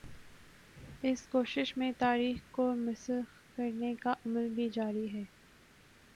اس کوشش میں تاریخ کو مسخ کرنے کا عمل بھی جاری ہے۔